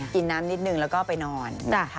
กินน้ำนิดนึงแล้วก็ไปนอน